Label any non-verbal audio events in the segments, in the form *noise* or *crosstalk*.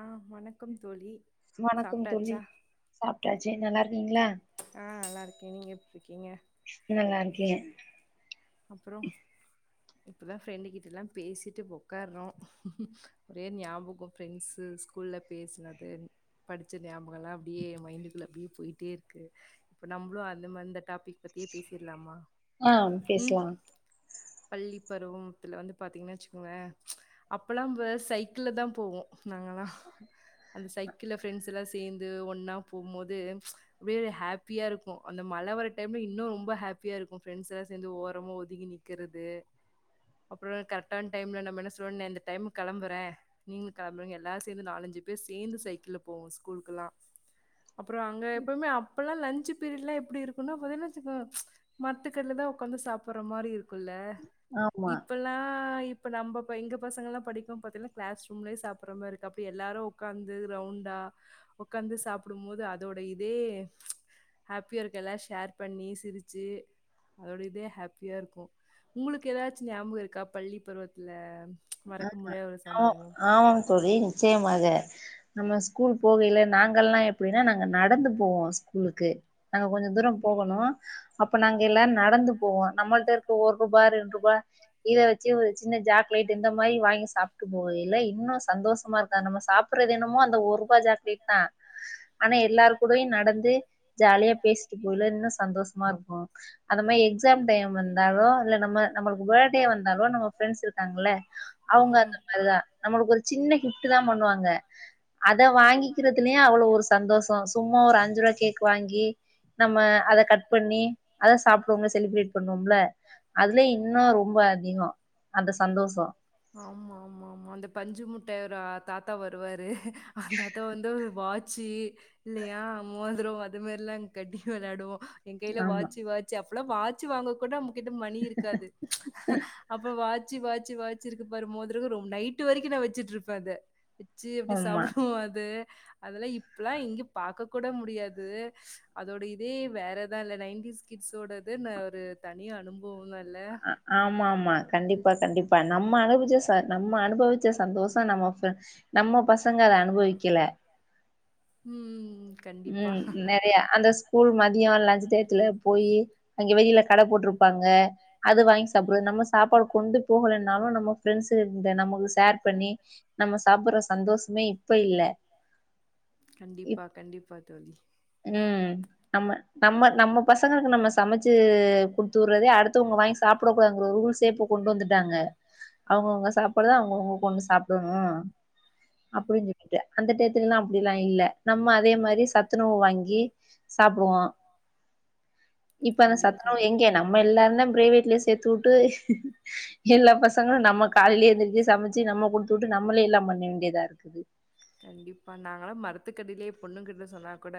அ வணக்கம் தோழி சாப்ட்டாச்சா நீங்ளா அ நல்லார்க்கே நீங்க எப்ருக்கீங்க நல்லாருக்கே அப்புரொ இப்பதா ஃப்ரெண்டு கிட்டலா பேசிட்டு ஒக்கார்றோ உரே ஞாபுகொ ஃப்ரெண்ட்ஸு ஸ்கூல்ல பேஸ்னது படிச்ச ஞாபுகலா அப்டியே எ மைண்டுக்குள்ள அப்டியே போய்ட்டே இருக்கு இப்ப நம்ப்ளு அந்த மந்தட் டாப்பிக் பத்தியே பேசிற்லாமா பேஸ்லா பள்ளி பருவும் த்துல வந்து பாத்தீங்ன்னா ச்சுக்கோங்கே அப்பலாபு சைக்கிள்ல தா போவோ நாங்களா அந்த சைக்கிள்ல ஃப்ரெண்ட்ஸ் எல்லா சேந்து ஒன்னா பூமோது *unintelligible* ஹேப்பியா இருக்கு அந்த ம அல வர டைம்ல இன்னு ரொம்ப ஹேப்பியா இருக்கு ஃப்ரெண்ட்ஸ் எல்லா சேர்ந்து ஓரம ஒதுங்கி நிக்கறது அப்பரொ கரெக்டான் டைம்ல நம்ம என்னஸ்ல்வோ நெ அந்த டைமு களம்புறே நீங்ளு களம்புறீங் எல்லாரு சேந்து நாலஞ் ஜிபே சேந்து சைக்கிள்ல போவோ ஸ்கூலுக்குல்லா அப்ரொ அங்க எப்பவ்மே அப்பல்லா லன்சு பீரியட்ல்லா எப்டி இருக்குன்னா பதின் வெச்சிக்கோ மர்த்துக்கட்லதா கொந்து சாப்புர்ற மாரி இருக்குல்ல இப்பல்லா இப் இப்ப நம்பப இங்க பசங்கலா படிக்கு பத்தீல க்ளேஸ் ரூம்லே சாப்புர்றமே இருக்கு அப்டி எல்லாரு ஒக்காந்து ரவுண்டா அ ஒக்காந்து சாப்புடுமோது அதோட இதே ஹேப்பியா இருக்க எல்லா ஷேர் பண்ணி சிருச்சி அதோட இதே ஹேப்பியா இருக்கு உங்ளுக்கு ஏதாச்சு ஞாபுக இருக்கா பள்ளி பருவத்துல மறக் ஒ ஆமாங் தோழி நிச்சயமாக நம்ம ஸ்கூல் போகயில நாங்கல்லா எப்புடினா நாங்க நடந்து போவோ ஸ்கூலுக்கு நாங்க கொஞ்ச தூர போகணு அப்ப நாங்க எல்லாரு நடந்து போவோ நம்மள்ட்ட இருக்க ஒர்ருபா ரெண்ருபா இ இத வெச்சி ஒரு சின்ன ஜாக்லேட் இந்த மாயி வாங்கி சாப் க்கு போகயில இன்னு சந்தோசமா இருக்கா நம்ம சாப்புர்றதென்னு மோ அந்த ஒருபா ஜாக்லேட் தா ஆனா எல்லாரு கூடயு நடந்து ஜாலியா பேஸ்ட்டு போயில தின்னு சந்தோஸ்மா இருக்கு அதமே எக்ஸாம் டைம் வந்தாலு இல்ல நம்ம நம்மளுக்கு பேர்டே வந்தாலோ நம்ம ஃப்ரெண்ஸ் இருக்காங்ள அவுங்க அந்த மேரி தா நம்மளுக்கு ஒரு சின்ன ஹிஃப்ட்டு தா பண்ணுவாங்க அத வாங்கிக்கிறிதுல்யு அவளோ ஒரு சந்தோசொ சும்மா ஒரு அஞ்சுர்வா கேக் வாங்கி நம்ம அத கட் பண்ணி அத சாப்டுவோம்ல செலிபிரேட் பண்ணுவோம்ல அதுலே இன்னு ரொம்ப அதிஹோ அந்த சந்தோசோ ஆமா ஆமா ஆமா அந்த பஞ்சு முட்டய ஒரு அ தாத்தா வருவாரு சீ இல்லயா மோத்ரொ அது மேர்லா இங் கட்டி வெள்ளாடுவோ எ கெய்ல வாச்சு வாச்சு அப்புலா வாச்சு வாங்க கூடம் கிட்டு மணி இருக்காது அப்ப வாஜ் சி வாச்சு வாச்சு இருக்கு பருமோத்ருகு ரொம் நைட்டு வரிக்கு நா வெச்சுட்ருப்பே அத வெச்சி எப்டி சாப்பு து அதல்லா இப்லா இங்க பாக்க கூட முடியாது அதோட இதே வேறதா இல்ல நைன்டிஸ் கிட்ஸோடதின்னு ஒரு தனி அனும்போவுந்தா ஆமாமா கண்டிப்பா கண்டிப்பா நம்ம அனுபுச்ச ச நம்ம அனுபவிச்ச சந்தோச நம்ம ஃப நம்ம பசங்க அனுபவிக்கில ம் ம் ம் நெறயா அந்த ஸ்கூல் மதியோ லஜி தேத்துல போயி அங்க வெயில கடை போட்ருப்பாங்க அது வாங்கி சாப்புறது நம்ம சாப்பாடு கொண்டு போகலனாலு நம்ம ஃப்ரெண்ட்ஸ் இந்த நமக்கு ஷேர் பண்ணி நம்ம சாப்டுற சந்தோஷமே இப்ப இல்ல கண்டிப்பா கண்டிப்பா தோழி நம்ம நம்ம நம்ம பசங்களுக்கு நம்ம சமைச்சு குடுத்துவுட்றதே அடுத்துவுங்க வாங்கி சாப்புடக் கூடாதுங்குற ஒரு ரூல்ஸே இப்ப கொண்டு வந்துட்டாங்க அவுங்கவுங்க சாப்பாடுதா அவுங்கவுங்க கொண்டு சாப்டணு அப்டின்னு சொல்லிட்டு அந்த டயத் துல்லா அப்டிலா இல்ல நம்ம அதே மாரி சத்துணவு வாங்கி சாப்டுவோ *inaudible* இப்ப அந்த சத்துணவு எங்க நம்ம எல்லாருந்தா பிரைவேட்லய சேத்து வுட்டு எல்லா பசங்களு நம் நம்ம காலையிலயே எந்துருச்சு சமைச்சு நம்ம குடுத்து வுட்டு நம்மளே எல்லா பண்ண வேண்டியதா இருக்குது கண்டிப்பா நாங்களா மருத் மரத்துக்கடியிலயே பொண்ணுங்க கிட்ட சொன்னா கூட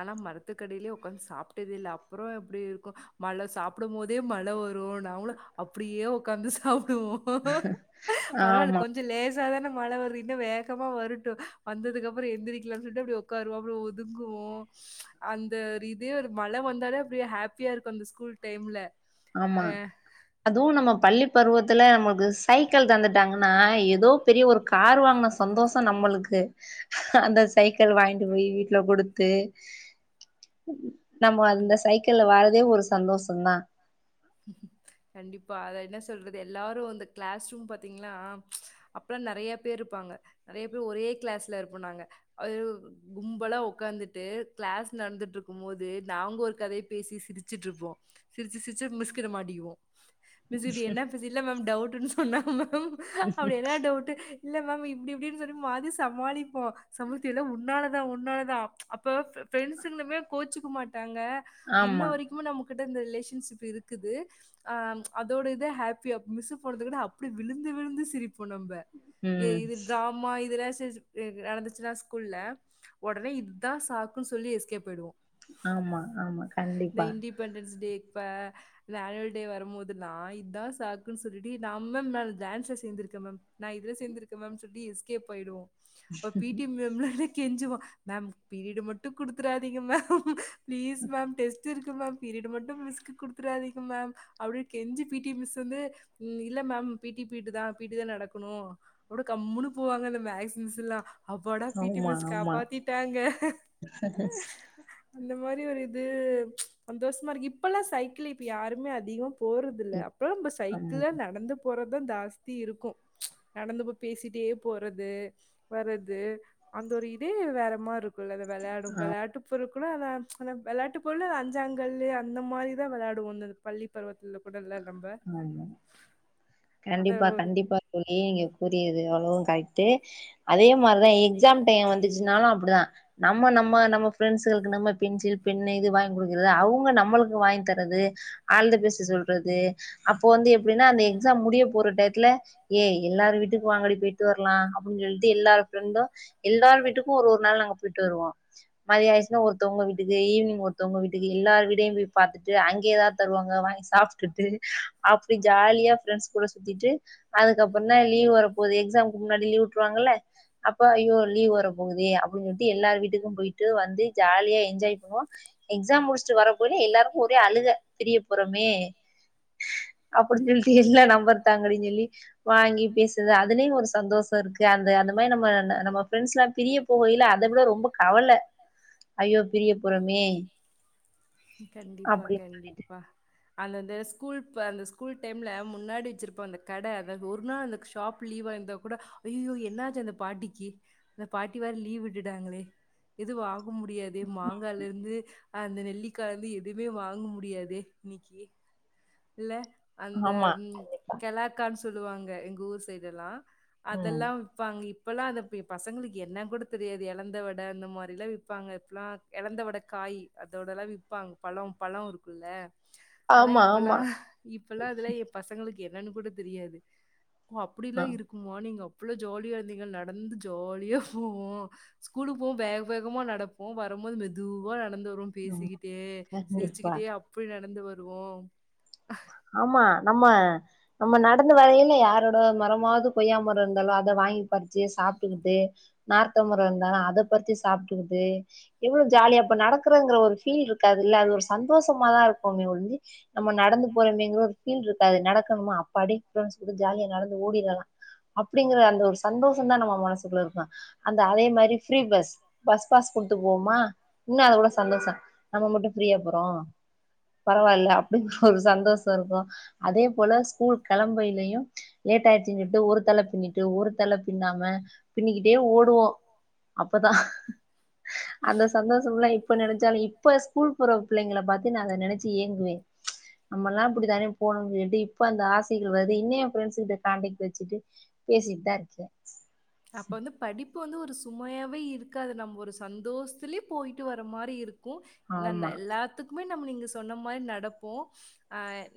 ஆனா மரத்துக்கடியிலயே உக்காந்து சாப்டது இல்ல அப்பறோ எப்டி இருக்கு மழ சாப்டும் போதே மழ வரும நாம்மளு அப்டியே ஒக்காந்து சாப் ப்டுவோ பரவாயில்ல கொஞ்ச லேஸ் சாதார்ண மழ வருது இன்னு வேகமா வரட்டு வந்ததுக்கு அப்பறோ எந்திரிக் கில்லர் தட்ட இப்டி ஒக்காருவோ அப்பறோ ஒதுங்குவோ அந்த ரிதே ஒரு மழ வந்தாலே அப்டியே ஹாப்பி த்தியா இருக்கு அந்த ஸ்கூல் டைம்ல ஆமா அதுவு நம்ம பள்ளி பருவத்துல நம்மளுக்கு சைக்கிள் தந்துட்டாங்கன்னா எதோ பெரிய ஒரு கார் வாங்குன சந்தோஷோ நம்மளுக்கு ந்த அந்த சைக்கிள் வாங்கிட்டு போயி வீட்டுல குடுத்து நம்ம அந்த சைக்கிள்ல வாறதே ஒரு சந்தோஷந்தா ஹு ம் கண்டிப்பா அத என்ன சொல்றது எல்லாரு வந்து கிளாஸ் ரூம் பாத்தீங்களா ஆ அப்பல்லா நெறையா பேரு இருப்பாங்க நெறைய பேர் ஒரே கிளாஸ்ல இருப்பனாங்க அதுவே ஒரு கும்பலா ஒக்காந்துட்டு கிளாஸ் நடந்துட்ருக்கும் போது நாங்க ஒரு கதைய பேசி சிரிச்சுட்டு இருப்போ சிரிச்சு சிரிச்சு மிஸ்கிட்ட மாட்டிக்கிவோ மிஸு கிட்ட என்ன மிஸ் இல்ல டவுட்னு சொன்னாங்க மேம் அப்டி என்ன டவுட்டு இல்ல மேம் இப்டி இப்டின்னு சொல்லி மாத்தி சமாளிப்போ சமூத்தில உன்னாலதா உன்னாலதா அப்ப பிரெண்ட்ஸுங்களுமே கோச்சுக்க மாட்டாங்க இன்ன வரைக்குமே நமக்கு கிட்ட தட் இந்த ரிலேஷன்ஷிப் இருக்குது ஆ அதோடு இத ஹாப்பியா மிஸு போனதுக்கு அப்புடி விழுந்து விழுந்து விழுந்து சிரிப்போ நம்ப இது ட்ராமா இதெல்லா திஸ் இது நடந்துச்சுன்னா ஸ்கூல்ல ஒடனே இதா சாக்குன்னு சொல்லி எஸ்கேப் ஆயிடுவோ தா இண்டிபெண்டன்ஸ் டே இப்ப இந்த அனுவல் டே வரும் போதுல்லா இதா சாக்குன்னு சொல்லு டீ நம்ம மேல டான்சுல சேந்துருக் க்க மேம் நா இதுல சேந்துருக்கே மேம் சொல்லி எஸ்கேப் ஆயிடுவோ அப்ப பீட்டி மேம்லா கெஞ்சவோ மேம் பீரியடு மட்டு குடுத்துறாதீங்க மேம் ப்ளீஸ் மேம் டெஸ்ட் ஸ்ட் இருக்கு மேம் பீரியட் மட்டு மிஸ்கு குடுத்துறாதீங்க அப்டின்னு கெஞ்சி பீட்டி மிஸ் வந்து இல்ல மேம் பீட்டி பீரிடு தா பீட்டி தா நடக்கணு அப்டியே கம்முன்னு போவாங்க அந்த மேக்ஸ் மிஸ்ஸெல்லா அப்பாடா பீட்டி மிஸ் காப்பாத்திட்டாங்க இந்த மாரி ஒரு இது சந்தோஷமா இருக்கு இப்பல்லா சைக்கிள் இப்ப யாருமே அதிகமா போறதுல்ல அப்பல்லா நம்ப சைக்கிள் தா நடந்து போறது தா தாஸ்தி இருக்கும் நடந்துப்ப பேசிட்டே போறது வர்றது அந் அந்த ஒரு இதே வேறமா இருக்குல்ல அது வெளையாடும் வெளையாட்டுப் பொருள் கூட அதான் ஆனா வெளாட்டு பொருளு அஞ்சாங்கல்லு அந்த மாரிதா வெளையாடுவோ இந்த பள்ளி பருவத்துல கூட இல்லல் ஆமா கண்டிப்பா கண்டிப்பா தோழி நீங்க கூறியது அவ்ளோவு கரெக்டு அதே மாரிதா எக்ஸாம் டைம் வந்துச்சுனாலு அப்புடிதா நம்ம நம்ம நம்ம ஃப்ரெண்ட்ஸு துகளுக்கு நம்ம பென்சில் பென்னு இது வாங்கி குடுக்குறது அவுங்க நம்மளுக்கு வாங்கித் தர்றது ஆல்த பெஸ்ட் சொல்றது அப்போ வந்து எப்டின்னா அந்த எக்ஸாம் முடிய போற டயத்துல ஏய் எல்லாரு வீட்டுக்கு வாங்கடி போயிட்டு வரலா ன்ட்டு எல்லார ஃப்ரெண்டும் எல்லார் வீட்டுக்கும் ஒரு ஒரு நாள் நாங்க போயிட்டு வருவோம் மதியயசுன்னு ஒருத்தவங்க வீட்டுக்குஈவினிங் ஒருத்தவங்க வீட்டுக்கு எல்லார வீடயும் போய் பாத்துட்டு அங்கேதா தருவாங்க வாங் சாப்பிட்டுட்டு அப்டி ஜாலியா பிரெண்ட்ஸ் கூட சுத்திட்டு அதுக்கப்புறம் தான் லீவு வர போது எக்ஸாம்க்கு முன்னாடி லீவ் ங்கல்ல அப்ப யோ லீவ் வர போகுதே அப்டின்னு சொல்லி எல்லார் வீட்டுக்கும் போயிட்டு வந்து ஜாலியா என்ஜாய்ப்போம் எக்ஸாம் முடிச்சுட்டு வரகுள்ள எல்லாருக்கும் ஒரே அழுக பிரிய போறமே *inaudible* அப்படின்னு சொல்லி எல்லாம் நம்பர் தாங்கடினு சொல்லி வாங்கி பேசுது அதலேயும் ஒரு சந்தோஷம் இருக்கு அந்த அந்த மாரி நம்ம நம்ம ப்ரெண்ட்ஸ் எல்லாம் பிரிய போகில அதை விட ரொம்ப கவலை ஐயோ பிரியபறமே அப்டின்னு சொல்லிட்டு அந்தந்த ஸ்கூல் அந்த ஸ்கூல் டைம்ல முன்னாடி வச்சிருப்ப அந்த கடை ஒரு நாள் அந்த ஷாப் லீவ் இருந்தா கூட ஐயோ என்னாச்சு அந்த பாட்டிக்கு அந்த பாட்டி வேற லீவ் விட்டுட்டாங்களே இதுவா வாங்க முடியாது மாங்காய்ல இருந்து அந்த நெல்லிக்காய் இருந்து எதுமே வாங்க முடியாதே இன்னைக்கு இல்ல அந்த கெலக்கான்னு சொல்லுவாங்க எங்க ஊர் சைடு எல்லாம் அதெல்லாம் வப்பாங்க இ இப்பெல்லாம் அந்த பசங்களுக்கு என்ன கூட தெரியாது இலந்த வடை அந்த மாதிரிலாம் விப்பாங்க இப்பல்லாம் இலந்த வட காய் அதோட எல்லாம் விப்பாங்க பழம் பழம் இருக்கும்ல்ல ஆனா இப்பல்லாம் இப்பல்லாம் அதுலாம் என் பசங்களுக்கு என்னன்னு கூட தெரியாது அப்டிலாம் இருக்குமா நீங்க எ்ளோ ஜோாலியா இருந்தீங்க நடந்து ஜாலியா போவோம் ஸ்கூலுக்கு போவோம் வேக வேகமா நட நடப்போம் வரும்போ மெதுவா நடந்து வரும் பேசிக்கிட்டே சிரிச்சுக்கிட்டே அப்டி நடந்து வருவோம் ஆமா நம்ம நம்ம நடந்து வரைல யாரோட மரமாவது கொய்யாமரம் இருந்தாலும் அதை வாங்கி பறிச்சு சாப்பிட்டுகிட்டு நார்த்த மரம் இருந்தா அத பரிச்சு சாப்பிட்டுகிட்டு எவ்ளோ ஜாலியா நடக்கற ங்கிற ஒரு ஃபீல் இருக்காது இல்ல அது ஒரு சந்தோஷமா தான் இருக்கும ஒளிஞ்சு நம்ம நடந்து போரமேங்ர ஒரு ஃபீல் இருக்காது நடக்கணுமா அப்பாடி ஃபிரண்ட்ஸ் கூட ஜாலியா நடந்து ஓடிலாம் அப்படிங்கிற அந்த ஒரு சந்தோஷம் தான் நம்ம மனசுக்குள்ள இருக்கும் அந்த அதே மாதிரி ஃபிரி பஸ் பஸ் பாஸ் கொடுத்து போ போமா இன்னும் அதவிட சந்தோஷம் நம்ம மட்டும் ஃப்ரீயா போறோம் பரவாயில்ல அப்படி ஒரு சந்தோஷம் இருக்கும் அதே போல ஸ்கூல் கிளம்பைலயும் லேட் ஆயிருச்சு சொல்லிட்டு ஒரு தலை பின்னிட்டு தல பின்னாம பின்னிக்கிட்டே ஓடுவோம் அப்பதான் அந்த சந்தோஷம்லாம் இப்ப நினைச்சாலும் இப்ப ஸ்கூல் போற பிள்ளைங்கல பாத்து நான் அதை நினைச்சு ஏங்குவேன் *inaudible* ல்லாம் அப்டிதான போன சொல்லிட்டு இப்ப அந்த ஆசைகள் வருது இன்னு என் ஃபிரண்ட்ஸ் ட்ட காண்டாக்ட் வச்சுட்டு தஜ இப்ப வந்து ஒரு சுமையாவே இருக்காது நம்ம ஒரு சந்தோஷத்துலேயே போயிட்டு வர மாதிரி இருக்கு ந ந எல்லாத்துக்கும் நம்ம நீங்க சொன்ன மாரி நடப்போம்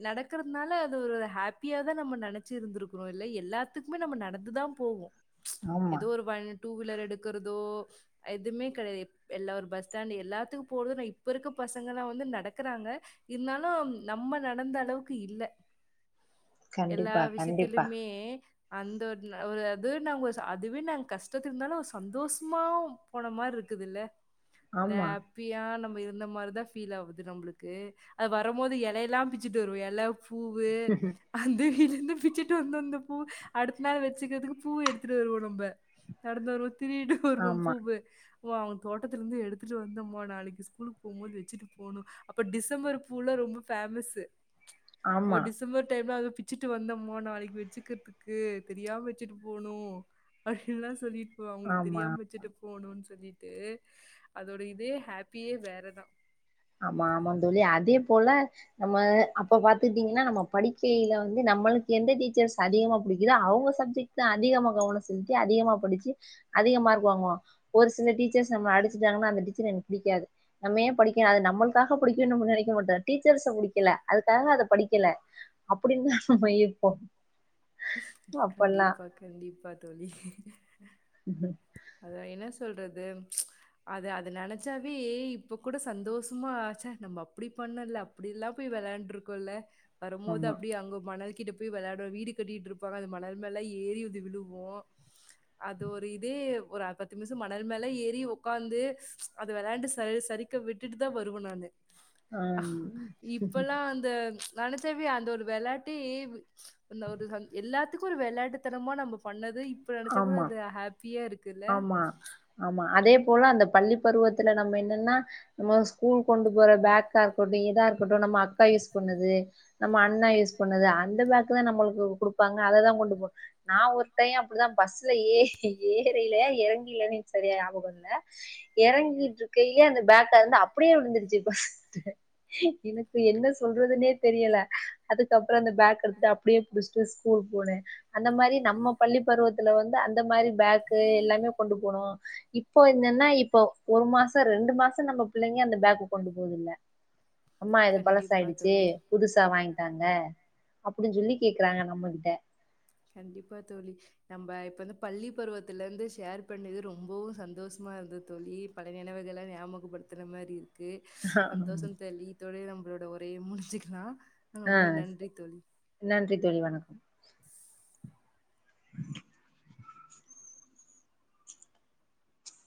நடக்கறதுனால அது ஒரு ஹாப்பியா தான் நம்ம ந னைச்சு இருந்துருப்போம் இல்ல எல்லாத்துக்குமே நம்ம நடந்துதான் போவோம் ஏதோ ஒரு ப டூ வீலர் எடுக்கிறதோ எதுமே கிடையாது எல்லா ஒரு பஸ் ஸ்டாண்ட் எல்லாத்துக்கும் போறதும் ந இப்ப இருக்க பசங்களாம் வந்து நடக்கறாங்க இருந்தாலும் நம்ம நடந்த அளவுக்கு இல்ல எல்லா விஷயத்திலுமே அந்த ஒரு ஒரு அது நாங்க ஒரு அதுவே நாங்க கஷ்டத்து இருந்தாலும் ஒரு சந்தோஷமா போன மாதிரி இருக்குதுல்ல அப்பியா நம்ம இருந்த மாதிரி தான் ஃபீல் ஆகுது நம்மளுக்கு அது வரும்போது இலையெல்லாம் பிச்சுட்டு வரு எலை பூவு அந்த வீில இருந்து பிச்சுட்டு வந்த அந்த பூ அடுத் னாள் வச்சுக்கிறதுக்கு பூவு எடுத்துட்டு வருவோம் நம்ப நடந்து வருவோம் திரிடுட்டு வருவோம் பூவு அவங்க தோட்டத்தில இருந்து எடுத்துட்டு வந்து மா நாளைக்கு ஸ்கூலுக்கு போகும்போது வச்சுட்டு போனணும் அப்ப டிசம்பர் பூல ரொம்ப ஃபேமஸு அப்ப டிசம்பர் டைம்ல அங்க பிச்சுட்டு வந்தோமோ நாளைக்கு வச்சுக்கிறதுக்கு தெரியாம வச்சுட்டு போணு அப்டின்னுல்லா சொல்லிட்டுப்போவ அவங்களுக்கு தெரியாம வச்சுட்டு போணுனு சொல்லிட் ட்டு அதோட இதே ஹாப்பியே வேறதா ஆமா ஆமா தோழ அதே போல நம்ம அப்ப பாத்துட்டீங்கன்னா நம்ம படிக்கையில வந்து நம்மளுக்கு எந்த டீச்சர்ஸ் அதிகமா பிடிக்குதோ அவங்க சப்ஜெக்ட் தா அதிகமா கவனொ செலுத்தி அதிகமா படிச்சு அதிக மார்க் வாங்குவோ ஒரு சில டீச்சர்ஸ் நம்மள அடிச்சுடாங்கன்னா அந்த டீச்சர் எனக்கு பிடிக்காது நம்மயே படிக் க அது நம்மளுக்காக படிக்கும்னு நினைக்க மாட்டோ டீச்சர்ஸ புடிக்கல அதுக்காக அத படிக்கல அப்டின்னு இப்போ கண்டிப்பா கண்டிப்பா தோழி *unintelligible* அதா என்ன சொல்றது அது அது நெனச்சாவே இப்ப கூட சந்தோஷமா ச்சா நம்ம அப்டி பண்ணோல அப்டி எல்லா போய் வெளையாண்டு இருக்குல்ல வரும்போது அப்டியே அங்க மணல் கிட்ட போய் வெளையாடுவோ வீடு கட்டிட்டு இருப்பாங்க அது மணர் மேலா ஏறி வந்து விழுவோ அது ஒரு இதே ஒரு அ பத்து மிஷோ மணல் மேலே ஏறி உக்காந்து அத வெளையாண்டு சரி சரிக்க விட்டுட்டு தா வருவ நானு இப்பல்லா அந்த நெனச்சாவே அந்த ஒரு வெளாட்டே ஏவு அந்த அது கண் எல்லாத்துக்கு ஒரு வெளையாட்டுத்தனமா நம்ம பண்ணது இப் இப்ப நெனச்சா கூட அது ஹாப்பியா இருக் ஆமா ஆமா அதே போல அந்த பள்ளி பருவத்துல நம்ம என்னன்னா நம்ம ஸ்கூல் கொண்டு போற பேக்கா இருக்கட்டு எதா இருக்கட்டு ந ம்ம அக்கா யூஸ் பண்ணது நம்ம அண்ணா யூஸ் பண்ணது அந்த பேக் தா நம்ளுக்கு குடுப்பாங்க அததா கொண்டு போ நா ஒத்தையா அப்டிதா பஸ்ல ஏறி ஏறையில எறங்கயிலான்னு எனக்கு சரியா ஞாபகோ இல்ல எறங்கிட்டு இரு கையிலே அந்த பேக் தறந்து அப்டியே விழுந்துடுச்சு பஸ்ட எனக்கு என்ன சொல்றதுன்னே தெரியல அதுக்கப்புற அந்த பேக் எடுத்துட்டு அப்டியே புடிச்சிட்டு ஸ்கூல் போனே அந்த மாரி நம்ம பள்ளி பருவத்துல வந்து அந்த மாரி பேக்கு எல்லாமே கொண்டு போனோ இப்போ என்னன்னா இப்ப ஒரு மா ச ரெண்டு மாச நம்ம பிள்ளைங்க அந்த பேக் கொண்டு போதில்ல அம்மா இது பழசாயிடுச்சு புதுசா வாங்கித்தாங்க அப்டின்னு சொல்லி கேக்குறாங்க நம்மகிட்ட கண்டிப்பா தோழி நம்ப இப்ப வந்து பள்ளி பருவத்துல இருந்து ஷேர் பண்ணது ரொம்போவு சந்தோஷமா இருந்தது தோழி பல நினவுகள ஞாபகப்படுத்தின மாரி இருக்கு சந்தோஷ தோழி இதோடையே நம்பளோட ஒரைய முடிச்சுக்கலா அ ச் நன்றி தோழி வணக்கோ